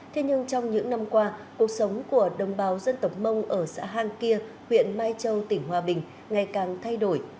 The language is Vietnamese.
thế nhưng trong những năm qua cuộc sống của đồng bào dân tộc mông ở xã hang kia huyện mai châu tỉnh hòa bình ngày càng thay đổi